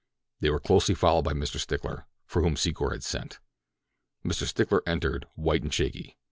They were closely followed by Mr. Stickler, for whom Secor had sent. Mr. Stickler entered, white and shaky.